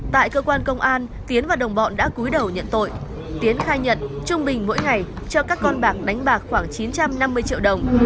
tại cơ quan công an tiến và đồng bọn đã cuối đầu nhận tội tiến khai nhận trung bình mỗi ngày cho các con bạc đánh bạc khoảng chín trăm năm mươi triệu đồng